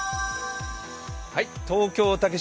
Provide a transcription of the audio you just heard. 東京竹芝